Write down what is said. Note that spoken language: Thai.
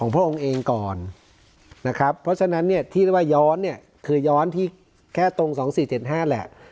พระองค์เองก่อนนะครับเพราะฉะนั้นเนี่ยที่เรียกว่าย้อนเนี่ยคือย้อนที่แค่ตรง๒๔๗๕แหละ